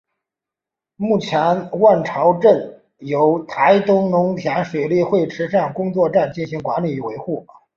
目前万朝圳由台东农田水利会池上工作站进行管理与维护。